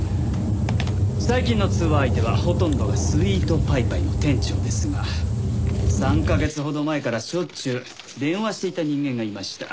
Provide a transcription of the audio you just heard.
最近の通話相手はほとんどがスイトパイパイの店長ですが３カ月ほど前からしょっちゅう電話していた人間がいました。